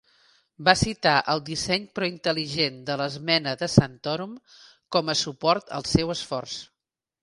Va citar el disseny prointel·ligent de l'esmena de Santorum com a suport al seu esforç.